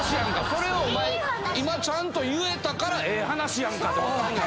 それをお前今ちゃんと言えたからええ話やんかと。